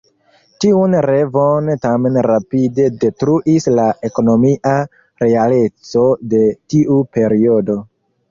Tiun revon tamen rapide detruis la ekonomia realeco de tiu periodo.